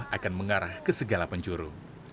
akan mengarah ke segala penjuru